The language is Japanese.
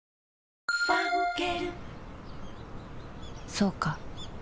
そうか